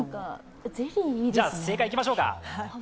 じゃあ、正解いきましょうか。